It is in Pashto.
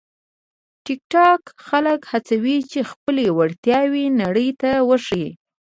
ټیکټاک خلک هڅوي چې خپلې وړتیاوې نړۍ ته وښيي.